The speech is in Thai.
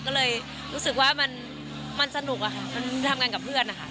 ก็เลยรู้สึกว่ามันสนุกอะค่ะมันทำงานกับเพื่อนนะคะ